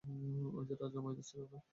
ওই যে, রাজা মাইদাস ছিলো না?